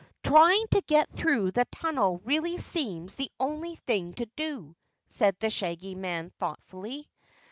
"Trying to get through the tunnel really seems the only thing to do," said the Shaggy Man thoughtfully.